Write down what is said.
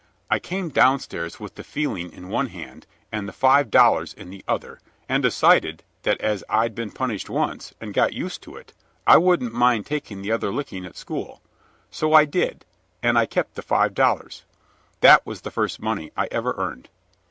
I came downstairs with the feeling in one hand and the five dollars in the other, and decided that as I'd been punished once, and got used to it, I wouldn't mind taking the other licking at school. So I did, and I kept the five dollars. That was the first money I ever earned."